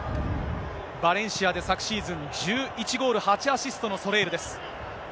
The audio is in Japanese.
バレンシアで昨シーズン、１１ゴール８アシストのソレールです。